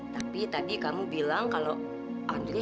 tapi kamu kalau bilang dubai